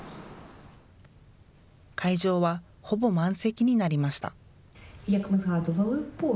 会場は、ほぼ満席になりました。